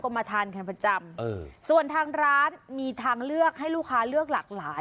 มาทานกันประจำเออส่วนทางร้านมีทางเลือกให้ลูกค้าเลือกหลากหลาย